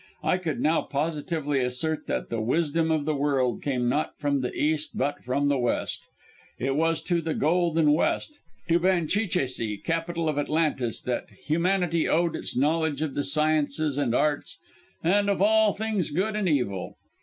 I could now positively assert that the wisdom of the world came not from the East but from the West. It was to the golden West to Banchicheisi, capital of Atlantis, that humanity owed its knowledge of the sciences and arts, and of all things good and evil.